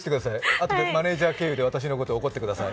あとでマネージャー経由で私のこと怒ってください。